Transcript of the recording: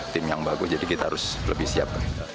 tim yang bagus jadi kita harus lebih siap